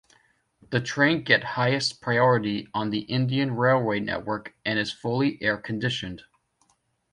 The train get highest priority on the Indian railway network and is fully air-conditioned.